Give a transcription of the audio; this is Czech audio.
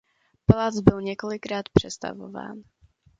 Palác byl několikrát přestavován.